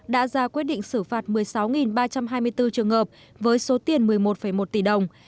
đã ra quyết định xử phạt một mươi sáu ba trăm hai mươi bốn trường hợp với số tiền một mươi một một tỷ đồng